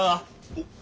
おっ。